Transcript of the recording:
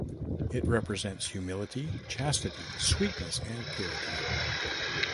It represents humility, chastity, sweetness, and purity.